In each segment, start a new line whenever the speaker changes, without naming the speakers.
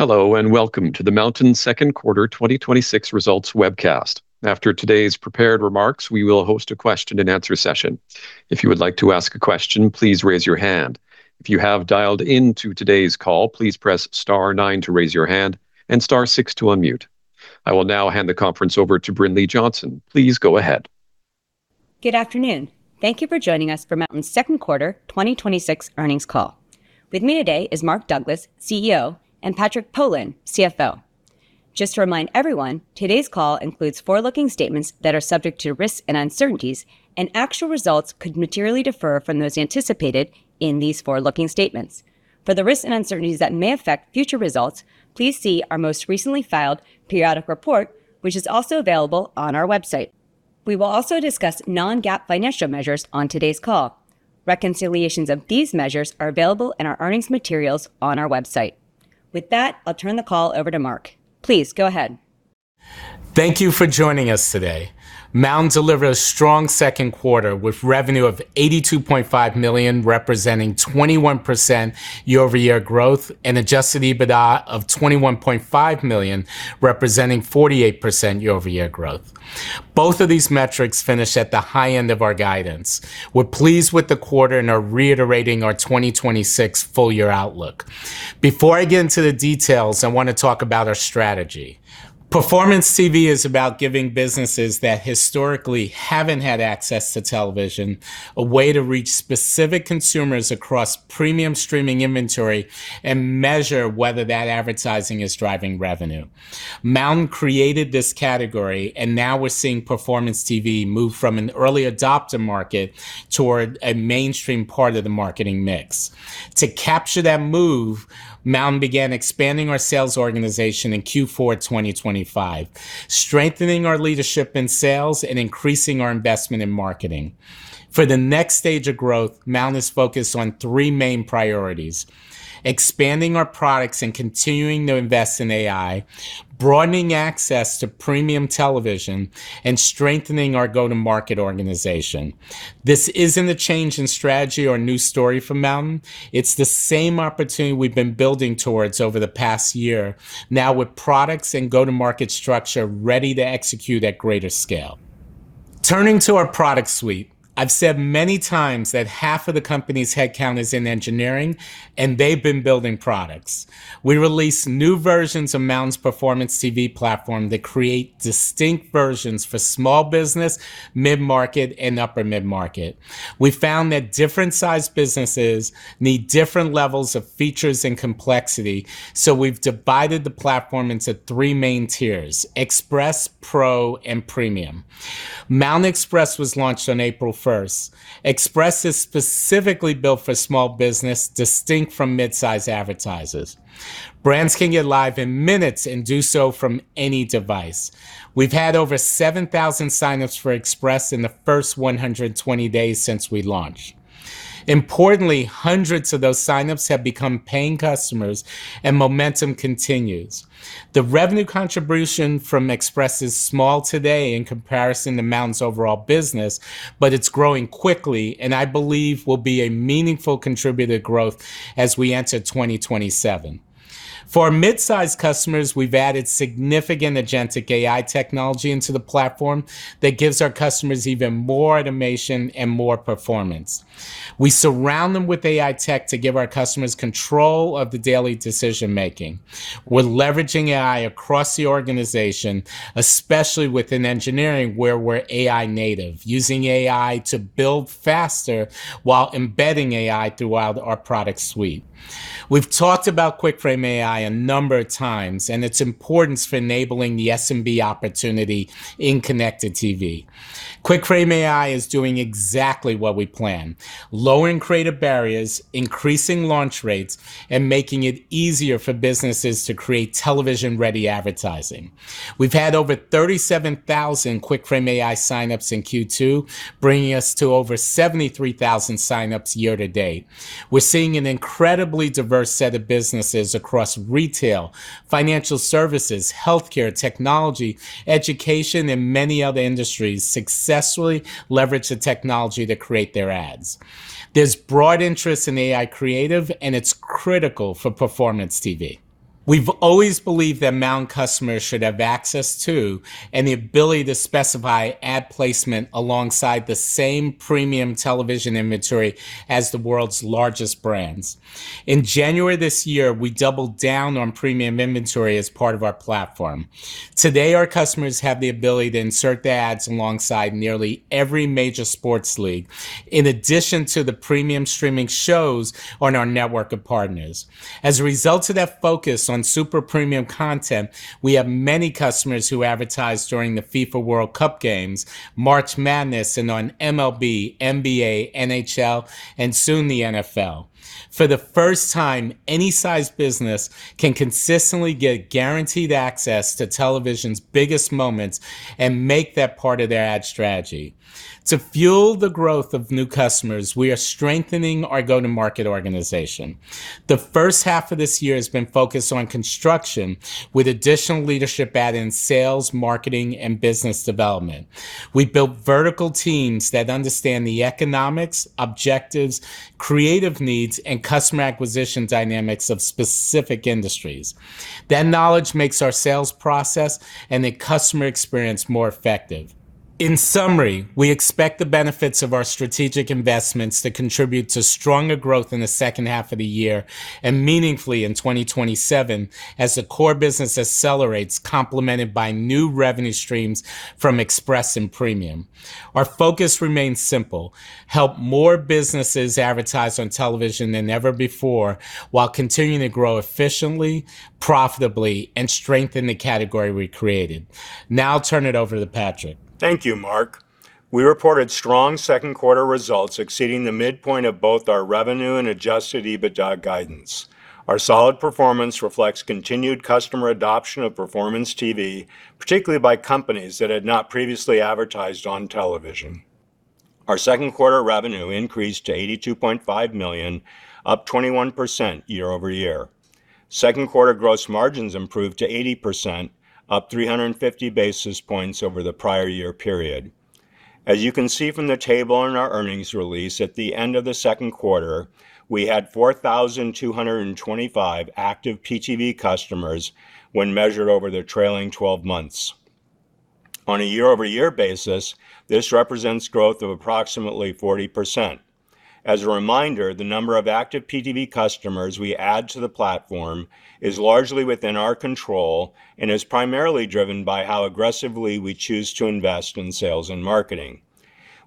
Hello. Welcome to the MNTN second quarter 2026 results webcast. After today's prepared remarks, we will host a question and answer session. If you would like to ask a question, please raise your hand. If you have dialed into today's call, please press star nine to raise your hand and star six to unmute. I will now hand the conference over to Brinlea Johnson. Please go ahead.
Good afternoon. Thank you for joining us for MNTN's second quarter 2026 earnings call. With me today is Mark Douglas, Chief Executive Officer, and Patrick Pohlen, Chief Financial Officer. To remind everyone, today's call includes forward-looking statements that are subject to risks and uncertainties. Actual results could materially differ from those anticipated in these forward-looking statements. For the risks and uncertainties that may affect future results, please see our most recently filed periodic report, which is also available on our website. We will also discuss Non-GAAP financial measures on today's call. Reconciliations of these measures are available in our earnings materials on our website. With that, I'll turn the call over to Mark. Please go ahead.
Thank you for joining us today. MNTN delivered a strong second quarter with revenue of $82.5 million, representing 21% year-over-year growth. Adjusted EBITDA of $21.5 million, representing 48% year-over-year growth. Both of these metrics finished at the high end of our guidance. Before I get into the details, I want to talk about our strategy. Performance TV is about giving businesses that historically haven't had access to television a way to reach specific consumers across premium streaming inventory. Measure whether that advertising is driving revenue. MNTN created this category. Now we're seeing performance TV move from an early adopter market toward a mainstream part of the marketing mix. To capture that move, MNTN began expanding our sales organization in Q4 2025, strengthening our leadership in sales and increasing our investment in marketing. For the next stage of growth, MNTN is focused on three main priorities: expanding our products and continuing to invest in AI, broadening access to premium television, and strengthening our go-to-market organization. This isn't a change in strategy or a new story from MNTN. It's the same opportunity we've been building towards over the past year, now with products and go-to-market structure ready to execute at greater scale. Turning to our product suite, I've said many times that half of the company's headcount is in engineering. They've been building products. We released new versions of MNTN's Performance TV platform that create distinct versions for small business, mid-market, and upper mid-market. We found that different sized businesses need different levels of features and complexity, so we've divided the platform into three main tiers: Express, Pro, and Premium. MNTN Express was launched on April 1st. Express is specifically built for small business distinct from midsize advertisers. Brands can get live in minutes and do so from any device. We've had over 7,000 signups for Express in the first 120 days since we launched. Importantly, hundreds of those signups have become paying customers, and momentum continues. The revenue contribution from Express is small today in comparison to MNTN's overall business, but it's growing quickly and I believe will be a meaningful contributor to growth as we enter 2027. For our midsize customers, we've added significant agentic AI technology into the platform that gives our customers even more automation and more performance. We surround them with AI tech to give our customers control of the daily decision-making. We're leveraging AI across the organization, especially within engineering, where we're AI native, using AI to build faster while embedding AI throughout our product suite. We've talked about QuickFrame AI a number of times and its importance for enabling the SMB opportunity in connected TV. QuickFrame AI is doing exactly what we planned: lowering creative barriers, increasing launch rates, and making it easier for businesses to create television-ready advertising. We've had over 37,000 QuickFrame AI signups in Q2, bringing us to over 73,000 signups year to date. We're seeing an incredibly diverse set of businesses across retail, financial services, healthcare, technology, education, and many other industries successfully leverage the technology to create their ads. There's broad interest in AI creative, and it's critical for Performance TV. We've always believed that MNTN customers should have access to and the ability to specify ad placement alongside the same premium television inventory as the world's largest brands. In January this year, we doubled down on premium inventory as part of our platform. Today, our customers have the ability to insert their ads alongside nearly every major sports league, in addition to the premium streaming shows on our network of partners. As a result of that focus on super premium content, we have many customers who advertise during the FIFA World Cup games, March Madness, and on MLB, NBA, NHL, and soon the NFL. For the first time, any size business can consistently get guaranteed access to television's biggest moments and make that part of their ad strategy. To fuel the growth of new customers, we are strengthening our go-to-market organization. The first half of this year has been focused on construction with additional leadership added in sales, marketing, and business development. We built vertical teams that understand the economics, objectives, creative needs, and customer acquisition dynamics of specific industries. That knowledge makes our sales process and the customer experience more effective. In summary, we expect the benefits of our strategic investments to contribute to stronger growth in the second half of the year and meaningfully in 2027 as the core business accelerates, complemented by new revenue streams from Express and Premium. Our focus remains simple: help more businesses advertise on television than ever before while continuing to grow efficiently, profitably, and strengthen the category we created. Now I'll turn it over to Patrick.
Thank you, Mark. We reported strong second quarter results exceeding the midpoint of both our revenue and adjusted EBITDA guidance. Our solid performance reflects continued customer adoption of Performance TV, particularly by companies that had not previously advertised on television. Our second quarter revenue increased to $82.5 million, up 21% year-over-year. Second quarter gross margins improved to 80%, up 350 basis points over the prior year period. As you can see from the table in our earnings release, at the end of the second quarter, we had 4,225 active PTV customers when measured over their trailing 12 months. On a year-over-year basis, this represents growth of approximately 40%. As a reminder, the number of active PTV customers we add to the platform is largely within our control and is primarily driven by how aggressively we choose to invest in sales and marketing.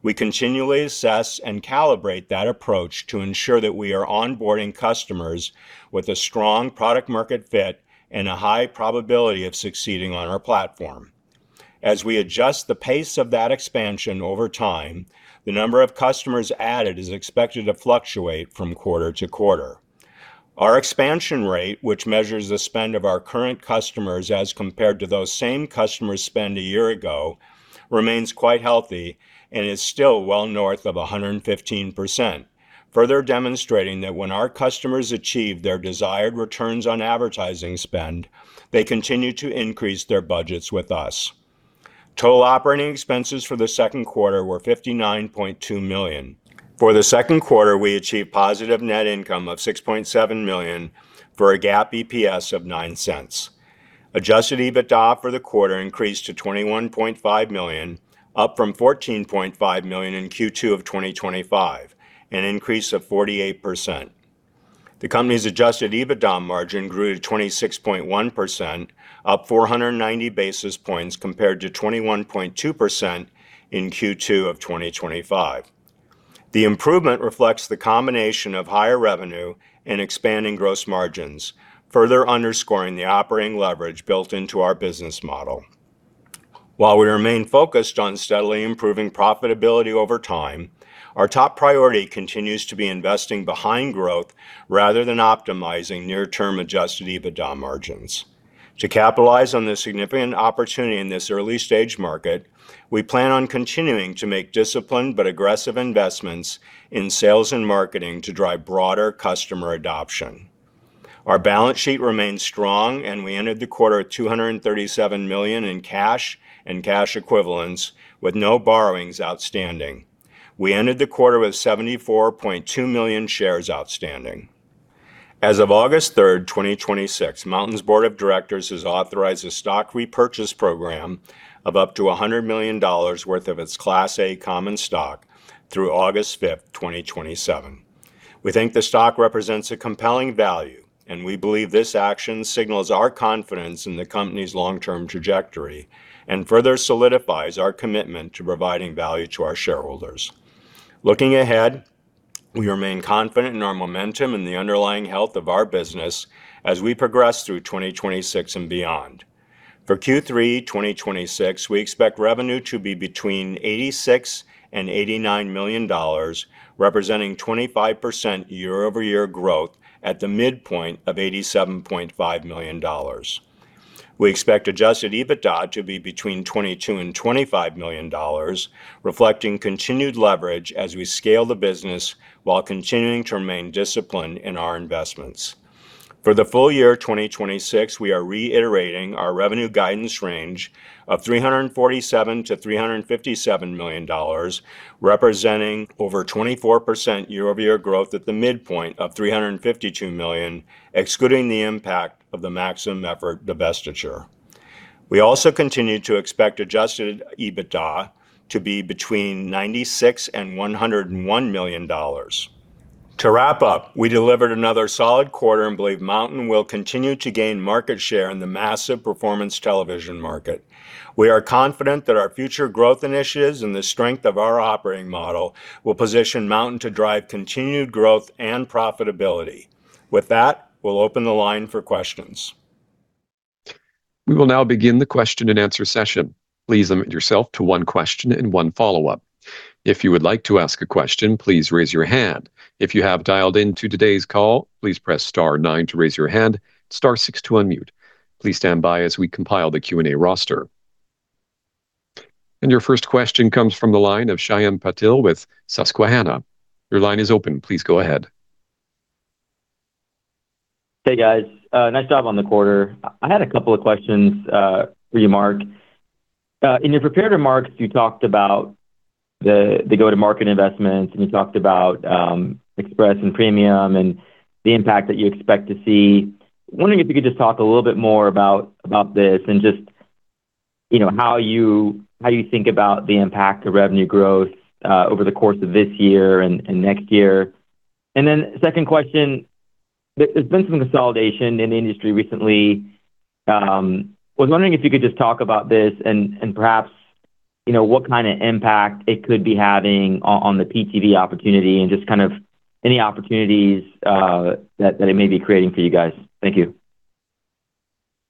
We continually assess and calibrate that approach to ensure that we are onboarding customers with a strong product-market fit and a high probability of succeeding on our platform. As we adjust the pace of that expansion over time, the number of customers added is expected to fluctuate from quarter to quarter. Our expansion rate, which measures the spend of our current customers as compared to those same customers' spend a year ago, remains quite healthy and is still well north of 115%, further demonstrating that when our customers achieve their desired returns on advertising spend, they continue to increase their budgets with us. Total operating expenses for the second quarter were $59.2 million. For the second quarter, we achieved positive net income of $6.7 million, for a GAAP EPS of $0.09. Adjusted EBITDA for the quarter increased to $21.5 million, up from $14.5 million in Q2 of 2025, an increase of 48%. The company's adjusted EBITDA margin grew to 26.1%, up 490 basis points compared to 21.2% in Q2 of 2025. The improvement reflects the combination of higher revenue and expanding gross margins, further underscoring the operating leverage built into our business model. While we remain focused on steadily improving profitability over time, our top priority continues to be investing behind growth rather than optimizing near-term adjusted EBITDA margins. To capitalize on this significant opportunity in this early-stage market, we plan on continuing to make disciplined but aggressive investments in sales and marketing to drive broader customer adoption. Our balance sheet remains strong, and we ended the quarter at $237 million in cash and cash equivalents with no borrowings outstanding. We ended the quarter with 74.2 million shares outstanding. As of August 3rd, 2026, MNTN's Board of Directors has authorized a stock repurchase program of up to $100 million worth of its Class A common stock through August 5th, 2027. We think the stock represents a compelling value. We believe this action signals our confidence in the company's long-term trajectory and further solidifies our commitment to providing value to our shareholders. Looking ahead, we remain confident in our momentum and the underlying health of our business as we progress through 2026 and beyond. For Q3 2026, we expect revenue to be between $86 million-$89 million, representing 25% year-over-year growth at the midpoint of $87.5 million. We expect adjusted EBITDA to be between $22million-$25 million, reflecting continued leverage as we scale the business while continuing to remain disciplined in our investments. For the full year 2026, we are reiterating our revenue guidance range of $347 million-$357 million, representing over 24% year-over-year growth at the midpoint of $352 million, excluding the impact of the Maximum Effort divestiture. We also continue to expect adjusted EBITDA to be between $96 million-$101 million. To wrap up, we delivered another solid quarter and believe MNTN will continue to gain market share in the massive performance television market. We are confident that our future growth initiatives and the strength of our operating model will position MNTN to drive continued growth and profitability. With that, we'll open the line for questions.
We will now begin the question-and-answer session. Please limit yourself to one question and one follow-up. If you would like to ask a question, please raise your hand. If you have dialed in to today's call, please press star nine to raise your hand, star six to unmute. Please stand by as we compile the question-and-answer roster. Your first question comes from the line of Shyam Patil with Susquehanna. Your line is open. Please go ahead.
Hey, guys. Nice job on the quarter. I had a couple of questions for you, Mark. In your prepared remarks, you talked about the go-to-market investments, you talked about Express and Premium and the impact that you expect to see. Wondering if you could just talk a little bit more about this and just how you think about the impact to revenue growth over the course of this year and next year. Second question, there's been some consolidation in the industry recently. Was wondering if you could just talk about this and perhaps what kind of impact it could be having on the PTV opportunity and just any opportunities that it may be creating for you guys. Thank you.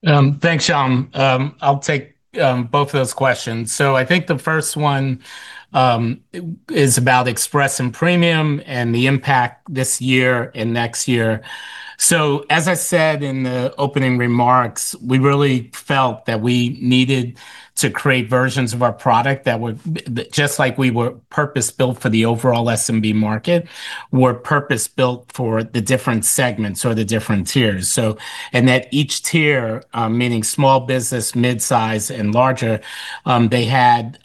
Thanks, Shyam. I'll take both of those questions. I think the first one is about Express and Premium and the impact this year and next year. As I said in the opening remarks, we really felt that we needed to create versions of our product that would, just like we were purpose-built for the overall SMB market, were purpose-built for the different segments or the different tiers. And that each tier, meaning small business, midsize and larger, they had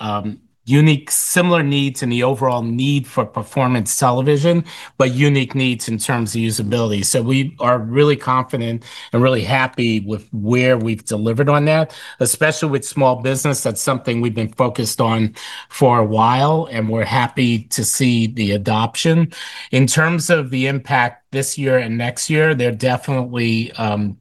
unique, similar needs in the overall need for Performance TV, but unique needs in terms of usability. We are really confident and really happy with where we've delivered on that, especially with small business. That's something we've been focused on for a while, and we're happy to see the adoption. In terms of the impact this year and next year, they're definitely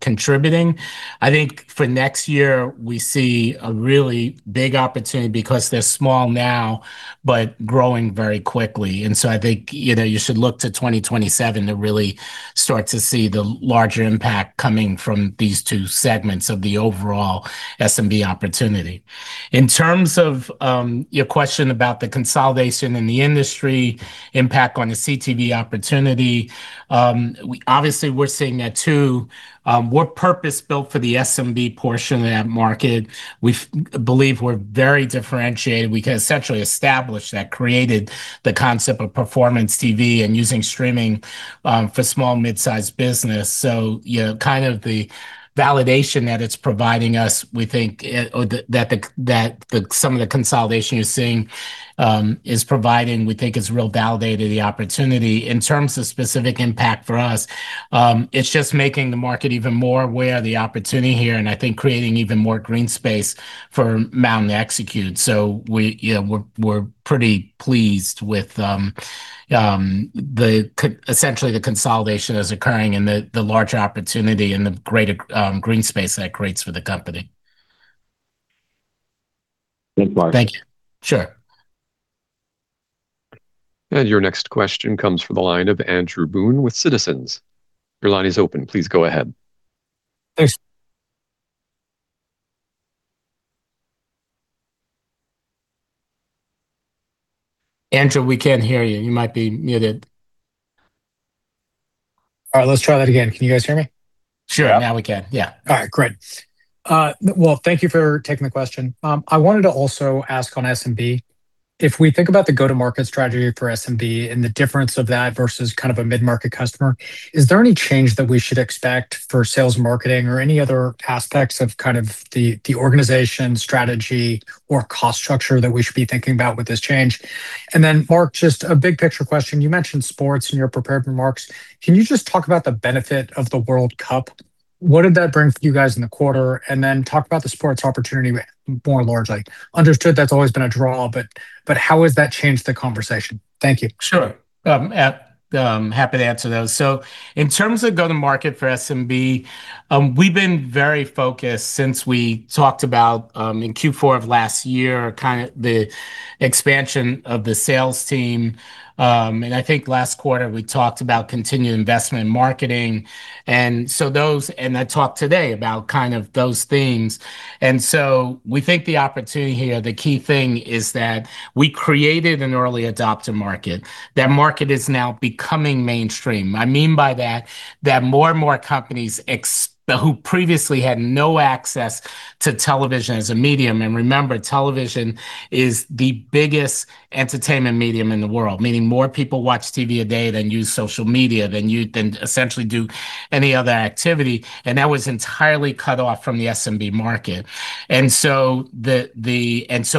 contributing. I think for next year we see a really big opportunity because they're small now, but growing very quickly. I think you should look to 2027 to really start to see the larger impact coming from these two segments of the overall SMB opportunity. In terms of your question about the consolidation in the industry impact on the CTV opportunity, obviously we're seeing that too. We're purpose-built for the SMB portion of that market. We believe we're very differentiated. We can essentially establish that created the concept of Performance TV and using streaming for small mid-sized business. The validation that it's providing us, we think that some of the consolidation you're seeing is providing, we think has real validated the opportunity. In terms of specific impact for us, it's just making the market even more aware of the opportunity here, and I think creating even more green space for MNTN to execute. We're pretty pleased with, essentially the consolidation that's occurring and the larger opportunity and the greater green space that creates for the company.
Thanks, Mark.
Thank you. Sure.
Your next question comes from the line of Andrew Boone with Citizens JMP Securities. Your line is open. Please go ahead.
Thanks.
Andrew, we can't hear you. You might be muted.
All right, let's try that again. Can you guys hear me?
Sure.
Now we can. Yeah.
All right, great. Well, thank you for taking the question. I wanted to also ask on SMB, if we think about the go-to-market strategy for SMB and the difference of that versus a mid-market customer, is there any change that we should expect for sales marketing or any other aspects of the organization strategy or cost structure that we should be thinking about with this change? Mark, just a big picture question. You mentioned sports in your prepared remarks. Can you just talk about the benefit of the World Cup? What did that bring for you guys in the quarter? And then talk about the sports opportunity more largely. Understood that's always been a draw, but how has that changed the conversation? Thank you.
In terms of go-to-market for SMB, we've been very focused since we talked about, in Q4 of last year, the expansion of the sales team. I think last quarter we talked about continued investment in marketing. I talked today about those things. We think the opportunity here, the key thing is that we created an early adopter market. That market is now becoming mainstream. I mean by that more and more companies who previously had no access to television as a medium, and remember, television is the biggest entertainment medium in the world, meaning more people watch TV a day than use social media, than essentially do any other activity. And that was entirely cut off from the SMB market.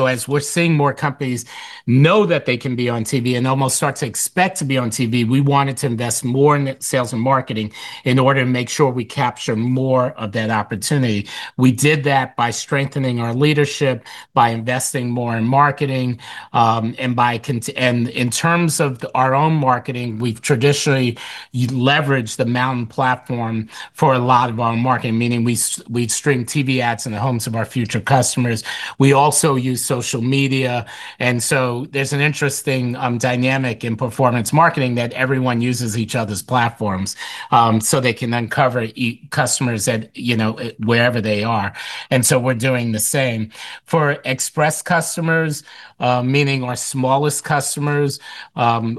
As we're seeing more companies know that they can be on TV and almost start to expect to be on TV, we wanted to invest more in sales and marketing in order to make sure we capture more of that opportunity. We did that by strengthening our leadership, by investing more in marketing, and in terms of our own marketing, we've traditionally leveraged the MNTN platform for a lot of our marketing, meaning we stream TV ads in the homes of our future customers. We also use social media, and so there's an interesting dynamic in performance marketing that everyone uses each other's platforms, so they can then cover customers at wherever they are. We're doing the same. For Express customers, meaning our smallest customers,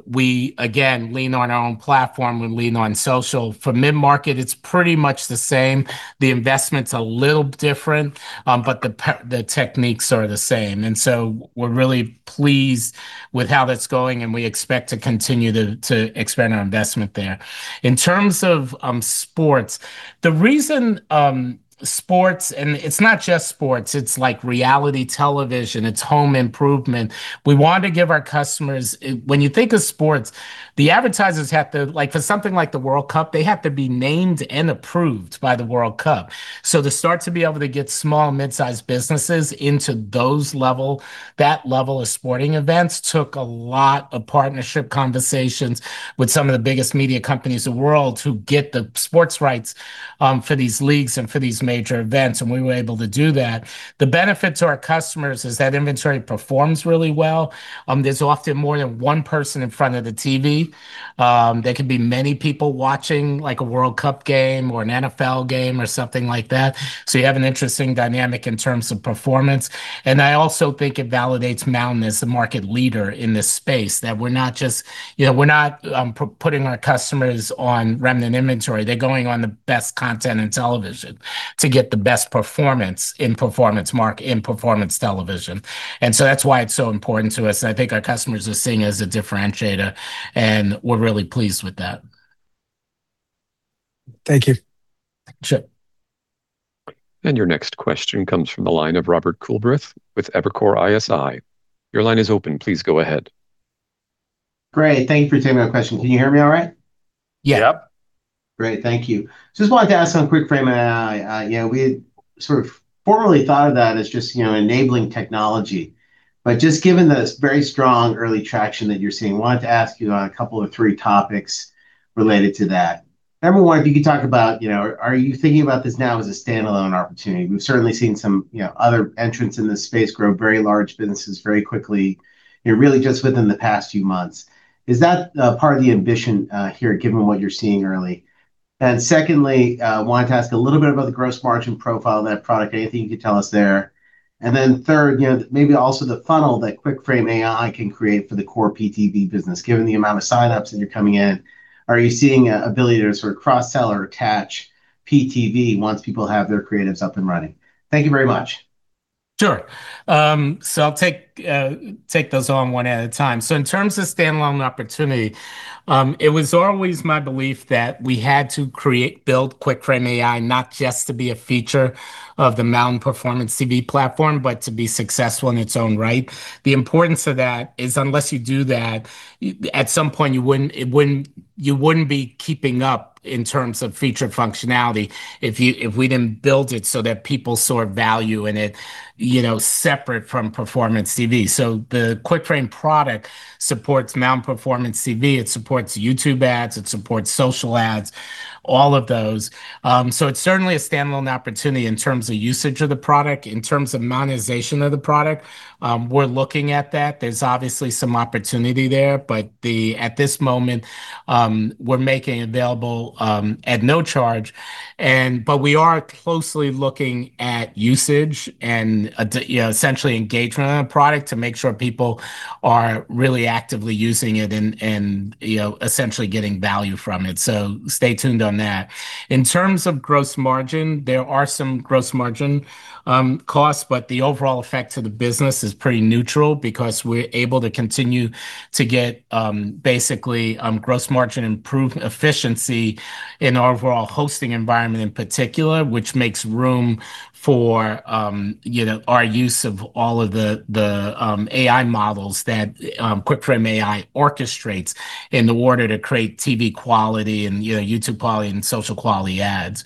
we again lean on our own platform. We lean on social. For mid-market, it's pretty much the same. The investment's a little different, but the techniques are the same. We're really pleased with how that's going, and we expect to continue to expand our investment there. In terms of sports, the reason sports, it's not just sports, it's like reality television, it's home improvement. We want to give our customers. When you think of sports, the advertisers have to, like for something like the World Cup, they have to be named and approved by the World Cup. To start to be able to get small mid-sized businesses into those level, that level of sporting events took a lot of partnership conversations with some of the biggest media companies in the world to get the sports rights for these leagues and for these major events, and we were able to do that. The benefit to our customers is that inventory performs really well. There's often more than one person in front of the TV. There could be many people watching, like a World Cup game or an NFL game or something like that. You have an interesting dynamic in terms of performance, and I also think it validates MNTN as the market leader in this space. That we're not just putting our customers on remnant inventory. They're going on the best content in television to get the best performance in performance television. That's why it's so important to us, and I think our customers are seeing as a differentiator, and we're really pleased with that. Thank you. Thank you.
Your next question comes from the line of Robert Coolbrith with Evercore ISI. Your line is open. Please go ahead.
Great. Thank you for taking my question. Can you hear me all right?
Yeah.
Great. Thank you. Just wanted to ask on QuickFrame AI, we had sort of formerly thought of that as just enabling technology. Just given the very strong early traction that you're seeing, wanted to ask you on a couple of three topics related to that. Number one, if you could talk about are you thinking about this now as a standalone opportunity? We've certainly seen some other entrants in this space grow very large businesses very quickly, really just within the past few months. Is that part of the ambition here, given what you're seeing early? Secondly, wanted to ask a little bit about the gross margin profile of that product, anything you could tell us there. Third, maybe also the funnel that QuickFrame AI can create for the core PTV business, given the amount of signups that are coming in. Are you seeing an ability to sort of cross-sell or attach PTV once people have their creatives up and running? Thank you very much.
Sure. I'll take those on one at a time. In terms of standalone opportunity, it was always my belief that we had to build QuickFrame AI not just to be a feature of the MNTN Performance TV platform, but to be successful in its own right. The importance of that is unless you do that, at some point, you wouldn't be keeping up in terms of feature functionality if we didn't build it so that people saw value in it, separate from Performance TV. The QuickFrame product supports MNTN Performance TV, it supports YouTube ads, it supports social ads, all of those. It's certainly a standalone opportunity in terms of usage of the product. In terms of monetization of the product, we're looking at that. There's obviously some opportunity there, at this moment, we're making it available at no charge. We are closely looking at usage and essentially engagement on the product to make sure people are really actively using it and essentially getting value from it. Stay tuned on that. In terms of gross margin, there are some gross margin costs, the overall effect to the business is pretty neutral because we're able to continue to get basically gross margin improvement efficiency in our overall hosting environment in particular, which makes room for our use of all of the AI models that QuickFrame AI orchestrates in order to create TV quality and YouTube quality and social quality ads.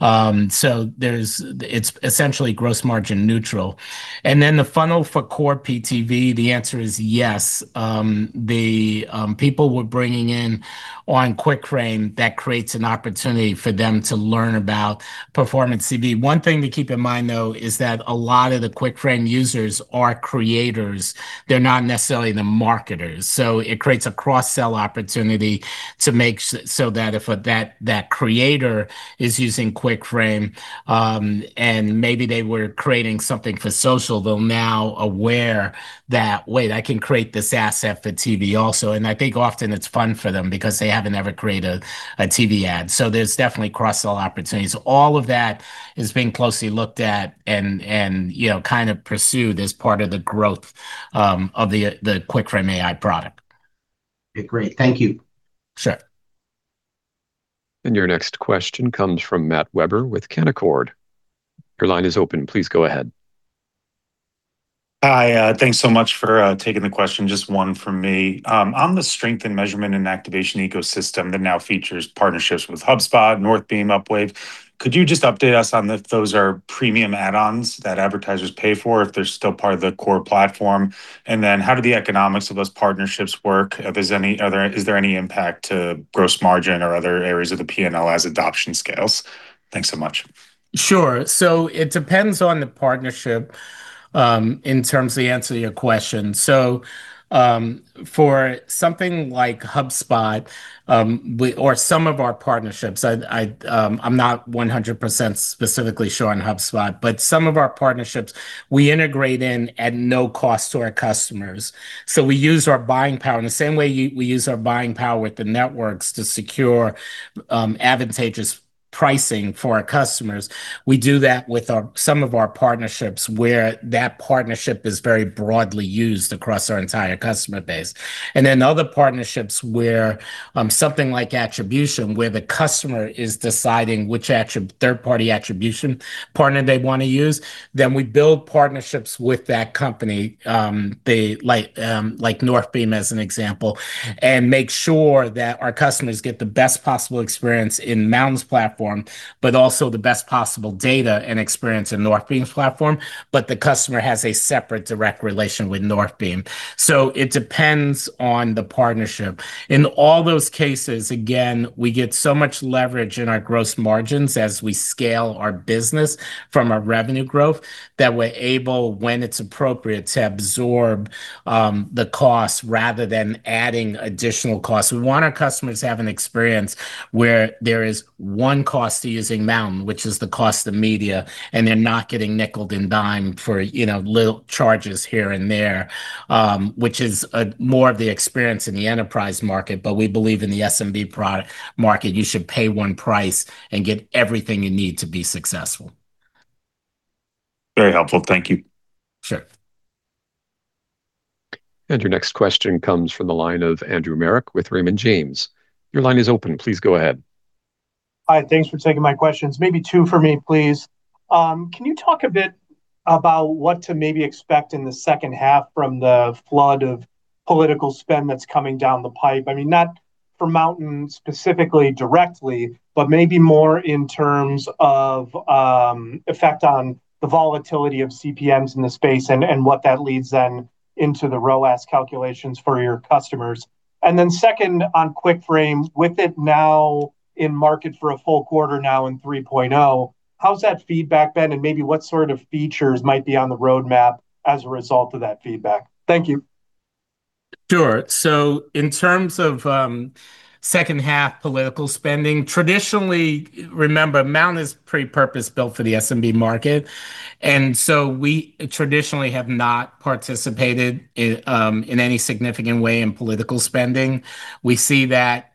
It's essentially gross margin neutral. Then the funnel for core PTV, the answer is yes. The people we're bringing in on QuickFrame, that creates an opportunity for them to learn about Performance TV. One thing to keep in mind, though, is that a lot of the QuickFrame users are creators. They're not necessarily the marketers. It creates a cross-sell opportunity to make so that if that creator is using QuickFrame, and maybe they were creating something for social, they're now aware that, "Wait, I can create this asset for TV also." I think often it's fun for them because they haven't ever created a TV ad. There's definitely cross-sell opportunities. All of that is being closely looked at and kind of pursued as part of the growth of the QuickFrame AI product.
Great. Thank you.
Sure.
Your next question comes from Matt Weber with Canaccord Genuity. Your line is open. Please go ahead.
Hi. Thanks so much for taking the question, just one from me. On the strength and measurement and activation ecosystem that now features partnerships with HubSpot, Northbeam, Upwave, could you just update us on if those are Premium add-ons that advertisers pay for, if they're still part of the core platform? How do the economics of those partnerships work? Is there any impact to gross margin or other areas of the P&L as adoption scales? Thanks so much.
It depends on the partnership, in terms of the answer to your question. For something like HubSpot, or some of our partnerships, I'm not 100% specifically sure on HubSpot, but some of our partnerships we integrate in at no cost to our customers. We use our buying power in the same way we use our buying power with the networks to secure advantageous pricing for our customers. We do that with some of our partnerships where that partnership is very broadly used across our entire customer base. Then other partnerships where something like attribution, where the customer is deciding which third-party attribution partner they want to use, then we build partnerships with that company, like Northbeam, as an example, and make sure that our customers get the best possible experience in MNTN's platform, but also the best possible data and experience in Northbeam's platform. The customer has a separate direct relation with Northbeam. It depends on the partnership. In all those cases, again, we get so much leverage in our gross margins as we scale our business from our revenue growth that we're able, when it's appropriate, to absorb the cost rather than adding additional cost. We want our customers to have an experience where there is one cost to using MNTN, which is the cost of media, and they're not getting nickeled and dimed for little charges here and there, which is more of the experience in the enterprise market. We believe in the SMB market, you should pay one price and get everything you need to be successful.
Very helpful. Thank you.
Sure.
Your next question comes from the line of Andrew Marok with Raymond James. Your line is open. Please go ahead.
Hi. Thanks for taking my questions. Maybe two for me, please. Can you talk a bit about what to maybe expect in the second half from the flood of political spend that's coming down the pipe? Not for MNTN specifically directly, but maybe more in terms of effect on the volatility of CPMs in the space and what that leads into the ROAS calculations for your customers. Second, on QuickFrame, with it now in market for a full quarter now in 3.0, how's that feedback been and maybe what sort of features might be on the roadmap as a result of that feedback? Thank you.
In terms of second half political spending, traditionally, remember, MNTN is pretty purpose-built for the SMB market, we traditionally have not participated in any significant way in political spending. We see that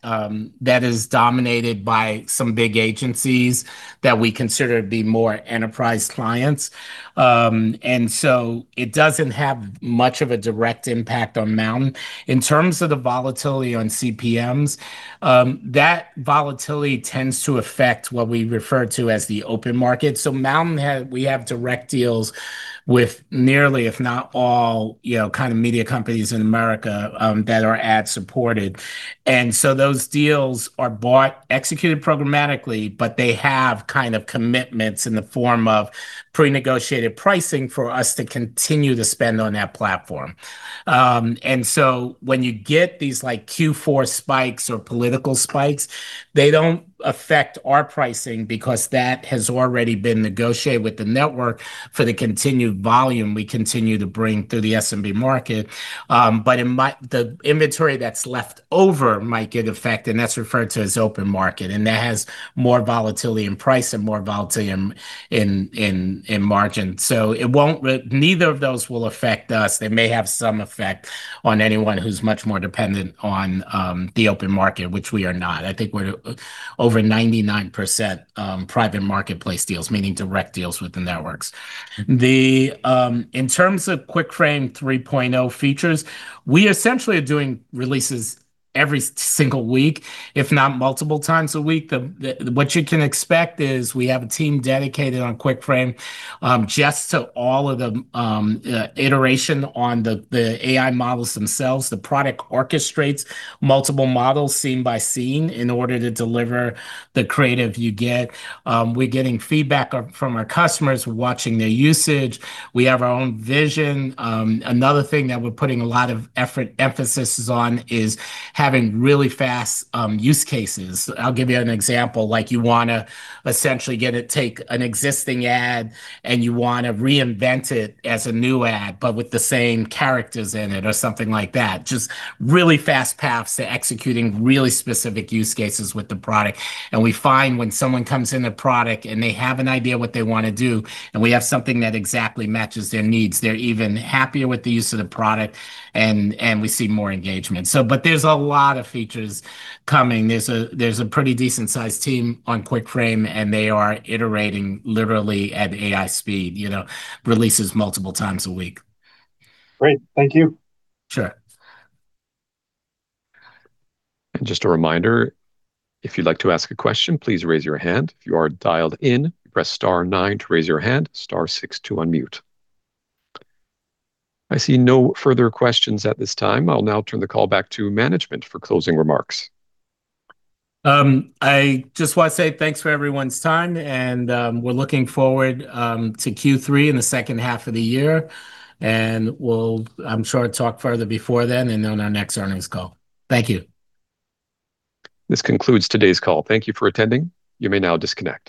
is dominated by some big agencies that we consider to be more enterprise clients. It doesn't have much of a direct impact on MNTN. In terms of the volatility on CPMs, that volatility tends to affect what we refer to as the open market. MNTN, we have direct deals with nearly, if not all, kind of media companies in America that are ad-supported. Those deals are bought, executed programmatically, but they have kind of commitments in the form of prenegotiated pricing for us to continue to spend on that platform. When you get these Q4 spikes or political spikes, they don't affect our pricing because that has already been negotiated with the network for the continued volume we continue to bring through the SMB market. The inventory that's left over might get affected, and that's referred to as open market, and that has more volatility in price and more volatility in margin. Neither of those will affect us. They may have some effect on anyone who's much more dependent on the open market, which we are not. I think we're over 99% private marketplace deals, meaning direct deals with the networks. In terms of QuickFrame 3.0 features, we essentially are doing releases every single week, if not multiple times a week. What you can expect is we have a team dedicated on QuickFrame, just to all of the iteration on the AI models themselves. The product orchestrates multiple models scene by scene in order to deliver the creative you get. We're getting feedback from our customers. We're watching their usage. We have our own vision. Another thing that we're putting a lot of emphasis on is having really fast use cases. I'll give you an example. You want to essentially take an existing ad and you want to reinvent it as a new ad, but with the same characters in it or something like that. Just really fast paths to executing really specific use cases with the product. We find when someone comes in the product and they have an idea what they want to do, and we have something that exactly matches their needs, they're even happier with the use of the product and we see more engagement. There's a lot of features coming. There's a pretty decent sized team on QuickFrame, and they are iterating literally at AI speed. Releases multiple times a week.
Great. Thank you.
Sure.
Just a reminder, if you'd like to ask a question, please raise your hand. If you are dialed in, press star nine to raise your hand, star six to unmute. I see no further questions at this time. I'll now turn the call back to management for closing remarks.
I just want to say thanks for everyone's time, and we're looking forward to Q3 in the second half of the year, and we'll, I'm sure, talk further before then and on our next earnings call. Thank you.
This concludes today's call. Thank you for attending. You may now disconnect.